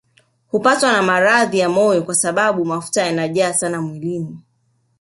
Hupatwa na maradhi ya moyo kwa sababu mafuta yanajaa sana mwilini